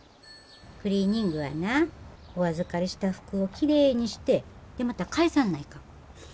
クリーニングはなお預かりした服をきれいにしてでまた返さんないかん。